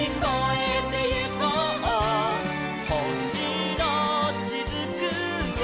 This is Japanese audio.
「ほしのしずくは」